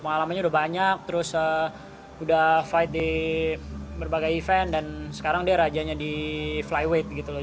pengalamannya udah banyak terus udah fight di berbagai event dan sekarang dia rajanya di flyweight gitu loh